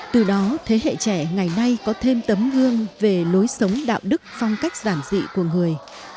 từ đó thế hệ trẻ ngày nay có thêm tấm gương về lối sống đạo đức phong cách giản dị của người